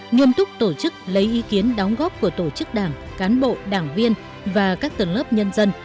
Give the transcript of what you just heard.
nghiêm túc tổ chức lấy ý kiến đóng góp của tổ chức đảng cán bộ đảng viên và các tầng lớp nhân dân